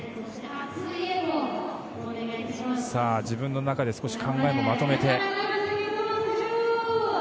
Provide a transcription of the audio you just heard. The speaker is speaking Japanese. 自分の中で少し考えもまとめて。